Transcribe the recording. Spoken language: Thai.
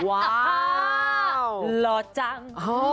หล่อจัง